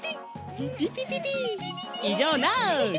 ピピピピピいじょうなし！